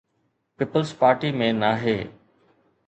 Peoples Party ۾ ناهي.